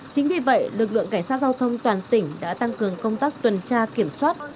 chính vì vậy lực lượng cảnh sát giao thông toàn tỉnh đã tăng cường công tác tuần tra kiểm soát